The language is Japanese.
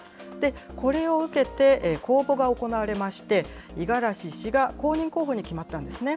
これを受けて、公募が行われまして、五十嵐氏が公認候補に決まったんですね。